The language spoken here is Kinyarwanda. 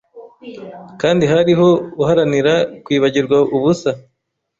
Kandi hariho Uharanira kwibagirwa ubusa